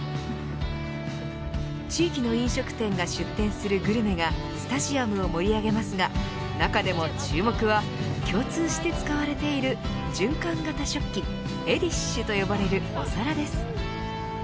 地域の飲食店が出店するグルメがスタジアムを盛り上げますが中でも注目は共通して使われている循環型食器ｅｄｉｓｈと呼ばれるお皿です。